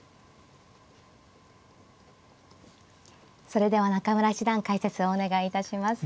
それでは中村七段解説をお願いいたします。